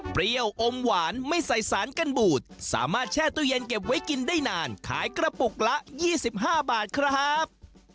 เปรี้ยวอมหวานไม่ใส่สารกันบูดสามารถแช่ตู้เย็นเก็บไว้กินได้นานขายกระปุกละ๒๕บาทครับ